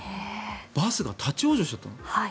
バスが立ち往生しちゃったの。